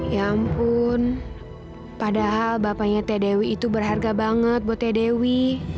ya ampun padahal bapaknya teh dewi itu berharga banget buat teh dewi